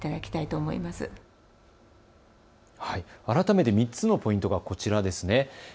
改めて３つのポイントがこちらです。